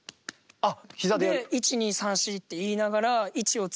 あっ。